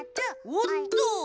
おっとー！